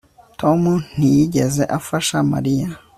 Tom ntiyigeze afasha Mariya